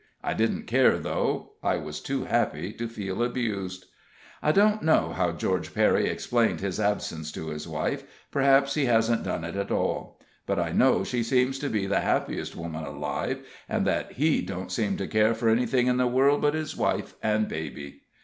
I didn't care, though; I was too happy to feel abused. I don't know how George Perry explained his absence to his wife; perhaps he hasn't done it at all. But I know she seems to be the happiest woman alive, and that he don't seem to care for anything in the world but his wife and baby.